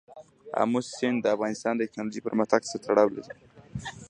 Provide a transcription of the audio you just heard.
آمو سیند د افغانستان د تکنالوژۍ پرمختګ سره تړاو لري.